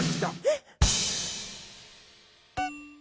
えっ？